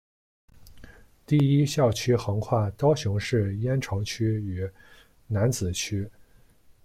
第一校区横跨高雄市燕巢区与楠梓区。